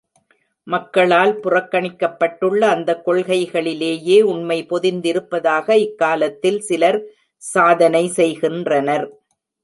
மக்களால் புறக்கணிக்கப்பட்டுள்ள அந்தக் கொள்கைகளிலேயே உண்மை பொதிந்திருப்பதாக இக்காலத்தில் சிலர் சாதனை செய்கின்றனர்.